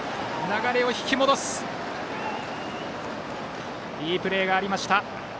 流れを引き戻すいいプレーがありました。